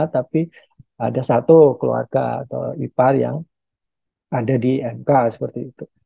tapi ada satu keluarga atau ipar yang ada di mk seperti itu